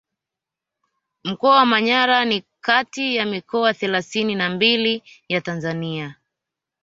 Mkoa wa Manyara ni kati ya mikoa thelathini na mbili ya Tanzania